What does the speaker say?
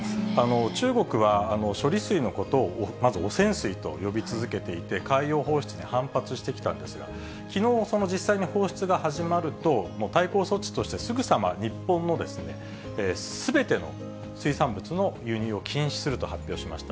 中国は処理水のことをまず、汚染水と呼び続けていて、海洋放出に反発してきたんですが、きのう、実際に放出が始まると、もう対抗措置として、すぐさま日本のすべての水産物の輸入を禁止すると発表しました。